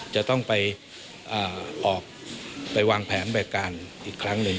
จะต้องไปออกไปวางแผนแบบการอีกครั้งหนึ่ง